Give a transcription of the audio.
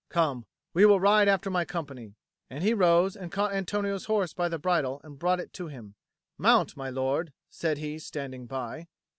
Come, we will ride after my company." And he rose and caught Antonio's horse by the bridle and brought it to him; "Mount, my lord," said he, standing by.